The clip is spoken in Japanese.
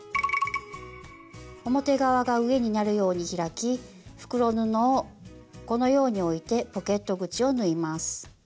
表側が上になるように開き袋布をこのように置いてポケット口を縫います。